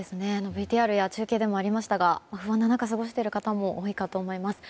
ＶＴＲや中継でもありましたが不安な中、過ごしている方も多いと思います。